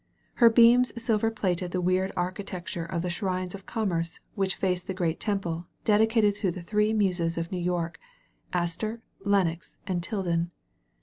Her beams silver plated the weird architecture of the shrines of Commerce which face the great Temple dedicated to the Three Muses of New York — Astor, Lenox, and TUden.